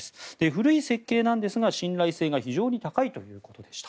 古い設計なんですが信頼性が非常に高いということでした。